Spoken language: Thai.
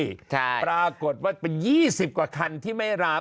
สุคาร์ปรากฏว่าเป็นยี่สิบกว่าคันที่ไม่ราบ